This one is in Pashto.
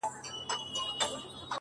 اوس مي له هري لاري پښه ماته ده ـ